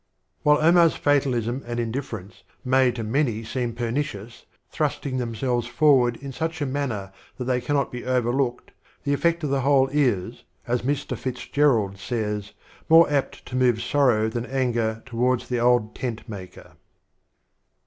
While Omar's fatalism and indifference may to many seem pernicious, thrusting themselves for ward in such a manner that they cannot be over looked, the effect of the whole is, as Mr. Fitzgerald says, more apt to move sorrow than anger towards the old Tent maker.